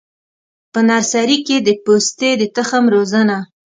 په نرسري کي د پستې د تخم روزنه: